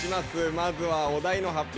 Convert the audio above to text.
まずはお題の発表